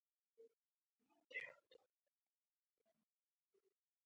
افغان نجونو لپاره ښوونځي پرانیستل شول.